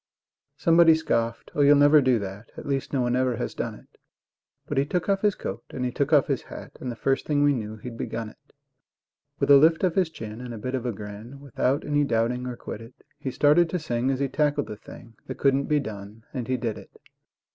Somebody scoffed: "Oh, you'll never do that; At least no one ever has done it"; But he took off his coat and he took off his hat, And the first thing we knew he'd begun it. With a lift of his chin and a bit of a grin, Without any doubting or quiddit, He started to sing as he tackled the thing That couldn't be done, and he did it.